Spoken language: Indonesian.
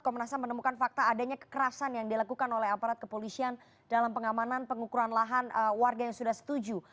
komnas ham menemukan fakta adanya kekerasan yang dilakukan oleh aparat kepolisian dalam pengamanan pengukuran lahan warga yang sudah setuju